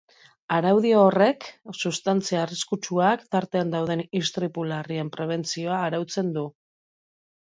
Araudi horrek substantzia arriskutsuak tartean dauden istripu larrien prebentzioa arautzen du.